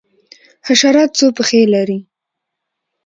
حشرات څو پښې لري؟